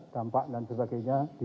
dampak dan sebagainya di